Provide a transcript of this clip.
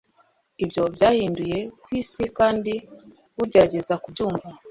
Ibyo byabahinduye ku isi kandi ugerageze kubyumva